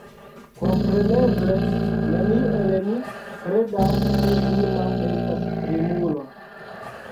Kompreneble, neniu el ni kredas, ke Dima estas krimulo.